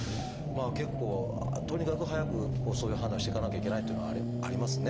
結構とにかく早くそういう判断をしていかなきゃいけないっていうのはありますね。